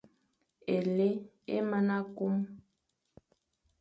Éli é mana kum.